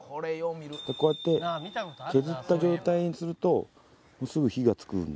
こうやって削った状態にするともうすぐ火がつくんで。